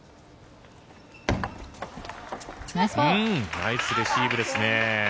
ナイスレシーブですね。